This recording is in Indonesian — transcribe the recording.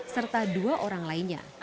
serta dua orang lainnya